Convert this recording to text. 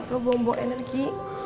lo bawa bawa energi